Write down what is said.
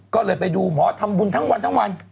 ก็เลยไปดูหมอทำบุญทั้งวันทั้งวัน